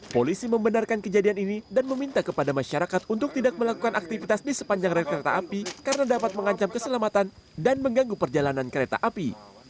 polisi membenarkan kejadian ini dan meminta kepada masyarakat untuk tidak melakukan aktivitas di sepanjang rel kereta api karena dapat mengancam keselamatan dan mengganggu perjalanan kereta api